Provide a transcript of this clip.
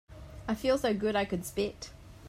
I feel so good I could spit.